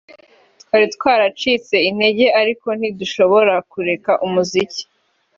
twari twaracitse intege ariko ntidushobora kureka umuziki